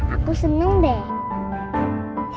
aku seneng deh